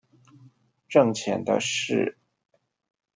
掙錢的事